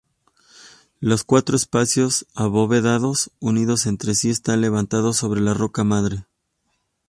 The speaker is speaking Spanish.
Los cuatro espacios abovedados unidos entre sí están levantados sobre la roca madre.